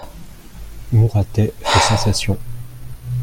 Mouratet fait sensation.